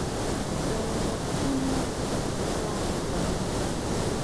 د لفظونو په سنګسار مرم